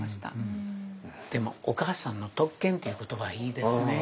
でもお母さんの特権という言葉いいですね。